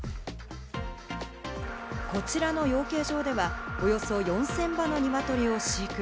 こちらの養鶏場では、およそ４０００羽の鶏を飼育。